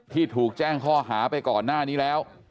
ที่ถูกแจ้งข้อหาไปก่อนหน้านี้แล้ว